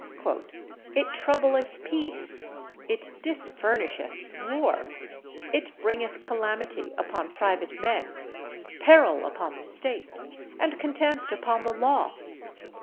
"It troubleth peace it disfurnisheth war it bringeth calamity upon private men, peril upon the state, and contempt upon the law.